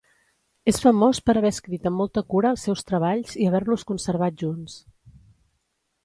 És famós per haver escrit amb molta cura els seus treballs i haver-los conservat junts.